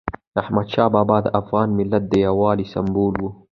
احمدشاه بابا د افغان ملت د یووالي سمبول و.